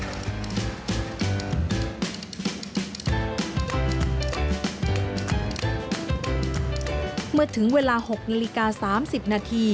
ไม่มีกำหนด